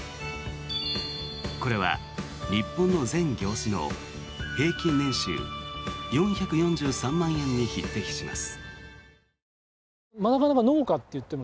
これは日本の全業種の平均年収４４３万円に匹敵します。